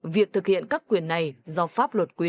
việc thực hiện các quyền này do pháp luật quyền